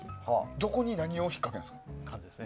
どこに、何を引っかけるんですか。